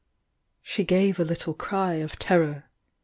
She |ave a little cry of terror.